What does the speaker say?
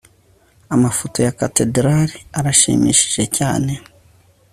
amafoto ya katedrali arashimishije cyane